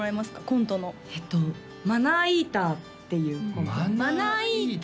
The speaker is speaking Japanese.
コントのえっと「マナーイーター」っていうコントマナーイーター？